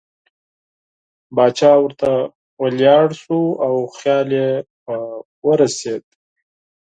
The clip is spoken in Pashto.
باچا ورته ولاړ شو او خیال یې په ورسېد.